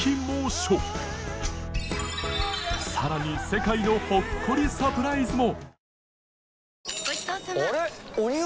さらに世界のほっこりサプライズも